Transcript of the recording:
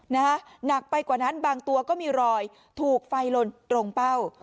หนักไปกว่านั้นบางตัวก็มีรอยถูกไฟลนตรงเป้า